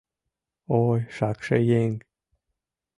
Ой, шакше еҥ!